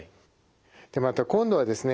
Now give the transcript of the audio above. でまた今度はですね